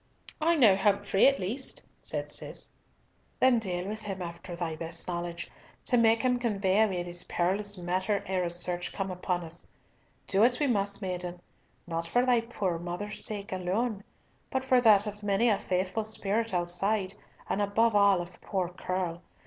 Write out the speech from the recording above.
"I know Humfrey at least," said Cis. "Then deal with him after thy best knowledge, to make him convey away this perilous matter ere a search come upon us. Do it we must, maiden, not for thy poor mother's sake alone, but for that of many a faithful spirit outside, and above all of poor Curll.